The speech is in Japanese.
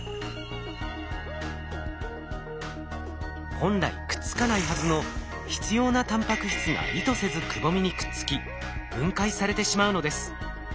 本来くっつかないはずの必要なタンパク質が意図せずくぼみにくっつき分解されてしまうのです。